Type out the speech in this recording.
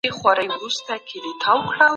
په خپل کار کي نظم وساتئ.